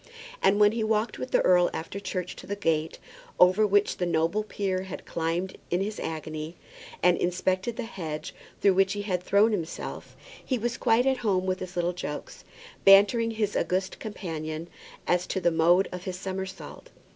And when he walked with the earl after church to the gate over which the noble peer had climbed in his agony, and inspected the hedge through which he had thrown himself, he was quite at home with his little jokes, bantering his august companion as to the mode of his somersault.